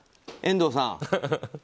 遠藤さん。